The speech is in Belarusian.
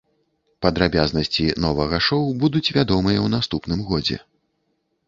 Падрабязнасці новага шоу будуць вядомыя ў наступным годзе.